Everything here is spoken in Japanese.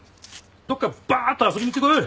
どっかバーッと遊びに行ってこい。